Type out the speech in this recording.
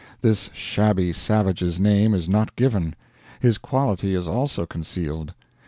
This shabby savage's name is not given; his quality is also concealed.